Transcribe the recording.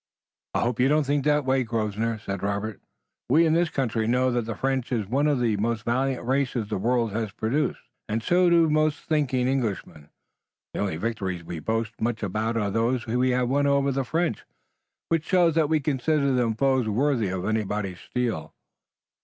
"I hope you don't think that way, Grosvenor," said Robert. "We in this country know that the French is one of the most valiant races the world has produced." "And so do most thinking Englishmen. The only victories we boast much about are those we have won over the French, which shows that we consider them foes worthy of anybody's steel.